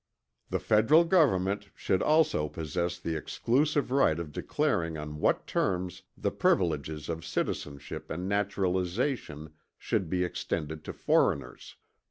"The Federal Government should also possess the exclusive right of declaring on what terms the privileges of citizenship and naturalization should be extended to foreigners.